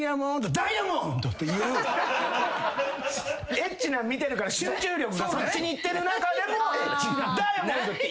エッチなん見てるから集中力がそっちにいってる中でもダイヤモンド！って。